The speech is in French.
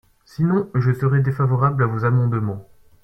Sinon, je serai défavorable à vos amendements.